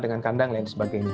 dengan kandang dan sebagainya